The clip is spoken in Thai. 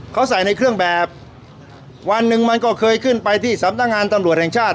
เขาใส่ในเครื่องแบบวันหนึ่งมันก็เคยขึ้นไปที่สำนักงานตำรวจแห่งชาติ